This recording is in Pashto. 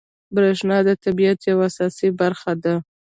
بریښنا د طبیعت یوه اساسي برخه ده